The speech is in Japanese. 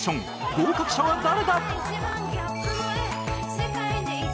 合格者は誰だ？